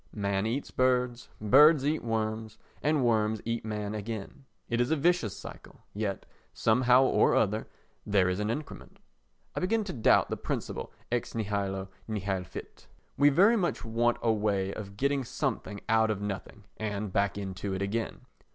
Man eats birds, birds eat worms and worms eat man again. It is a vicious circle, yet, somehow or other, there is an increment. I begin to doubt the principle ex nihilo nihil fit. We very much want a way of getting something out of nothing and back into it again.